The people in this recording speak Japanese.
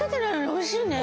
おいしい